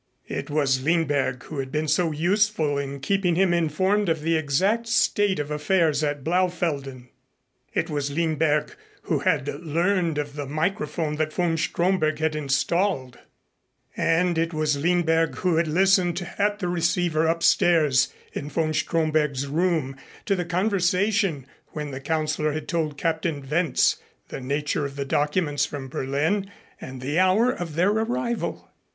It was Lindberg who had been so useful in keeping him informed of the exact state of affairs at Blaufelden. It was Lindberg who had learned of the microphone that von Stromberg had installed and it was Lindberg who had listened at the receiver upstairs in von Stromberg's room to the conversation when the Councilor had told Captain Wentz the nature of the documents from Berlin and the hour of their arrival.